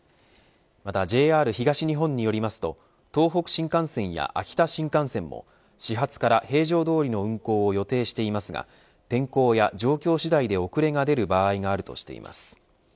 またＪＲ東日本によりますと東北新幹線や秋田新幹線も始発から平常どおりの運行を予定していますが天候や状況次第で、遅れが出る場合があるとしています。